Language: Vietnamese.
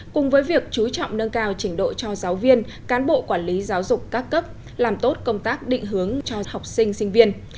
cùng với việc chú trọng nâng cao trình độ cho giáo viên cán bộ quản lý giáo dục các cấp làm tốt công tác định hướng cho học sinh sinh viên